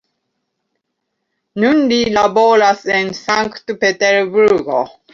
Nun li laboras en Sankt-Peterburgo.